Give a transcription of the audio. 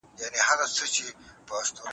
سپوږمۍ په اسمان کي ځلېدله.